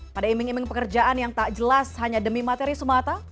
pada iming iming pekerjaan yang tak jelas hanya demi materi semata